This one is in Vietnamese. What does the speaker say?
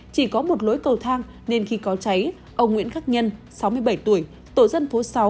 chỉ có một lối cầu thang nên khi có cháy ông nguyễn khắc nhân sáu mươi bảy tuổi tổ dân phố sáu